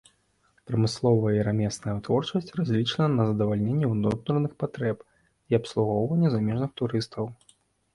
Прамысловая і рамесная вытворчасць разлічана на задавальненне ўнутраных патрэб і абслугоўванне замежных турыстаў.